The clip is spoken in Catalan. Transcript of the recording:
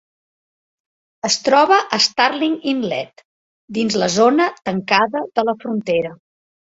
Es troba a Starling Inlet, dins la zona tancada de la frontera.